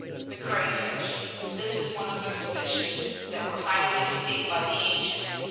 ] THE CRAYFISH. This is one of those fishes that were highly esteemed by the ancients.